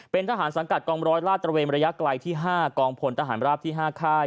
เป็นทหารสังกัดกองร้อยลาดตระเวนระยะไกลที่๕กองพลทหารราบที่๕ค่าย